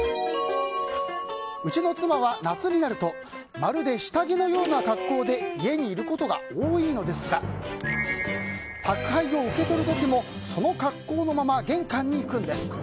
うちの妻は夏になるとまるで下着のような格好で家にいることが多いのですが宅配を受け取る時もその格好のまま玄関に行くんです。